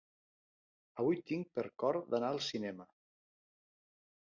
Avui tinc per cor d'anar al cinema.